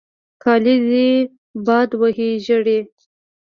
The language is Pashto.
کالې دې باد وهي ژړې.